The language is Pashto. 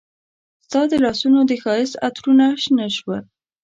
ستا د لاسونو د ښایست عطرونه شنه شوه